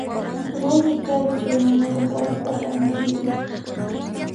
Rumi karu chayananpaq warak'ata maywiy.